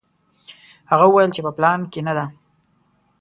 هغه وویل چې په پلان کې نه ده.